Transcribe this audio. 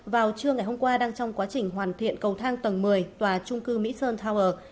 vào trưa ngày hôm qua đang trong quá trình hoàn thiện cầu thang tầng một mươi tòa trung cư mỹ sơn tower